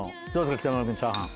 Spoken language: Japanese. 北村君チャーハン。